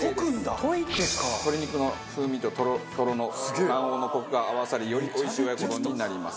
鶏肉の風味とトロトロの卵黄のコクが合わさりよりおいしい親子丼になります。